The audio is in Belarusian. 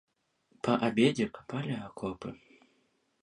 Па абедзе капалі акопы.